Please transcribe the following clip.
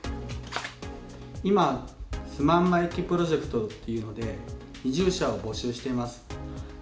今、住まんまい家プロジェクトというので、移住者を募集してます。